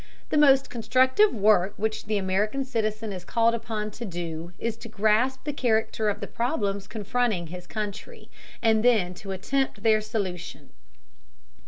The most constructive work which the American citizen is called upon to do is to grasp the character of the problems confronting his country, and then to attempt their solution.